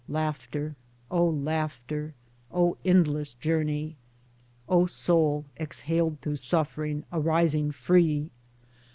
Laughter, O laughter ! O endless journey ! O soul exhaled through suffering, arising free